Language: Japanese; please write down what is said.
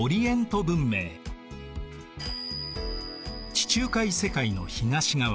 地中海世界の東側